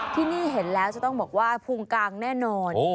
ที่นี่เห็นแล้วจะต้องบอกว่าภูมิกลางแน่นอน